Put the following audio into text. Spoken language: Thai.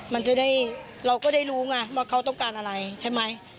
มันจะได้เราก็ได้รู้ไงว่าเขาต้องการอะไรใช่ไหม